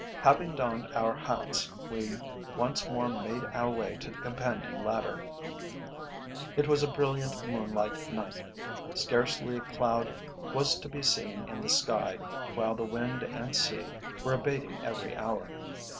Having donned our hats, we once more made our way to the companion ladder. It was a brilliant moonlight night; scarcely a cloud was to be seen in the sky, while the wind and sea were abating every hour.